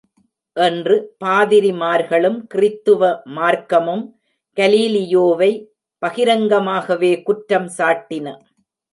என்று, பாதிரிமார்களும், கிறித்துவ மார்க்கமும் கலீலியோவை பகிரங்கமாகவே குற்றம் சாட்டின.